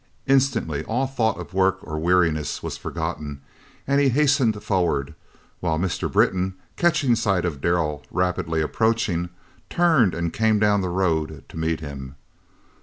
Instantly all thought of work or weariness was forgotten, and he hastened forward, while Mr. Britton, catching sight of Darrell rapidly approaching, turned and came down the road to meet him.